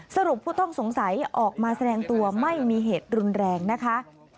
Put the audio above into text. ผู้ต้องสงสัยออกมาแสดงตัวไม่มีเหตุรุนแรงนะคะ